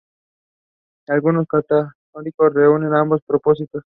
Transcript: Algunos catálogos reúnen ambos propósitos.